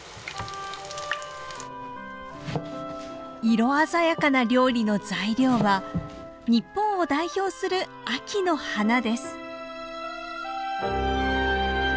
色鮮やかな料理の材料は日本を代表する秋の花です。